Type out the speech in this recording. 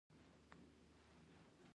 ما ورته وویل: ستا د... لومړي افسر بیا وویل.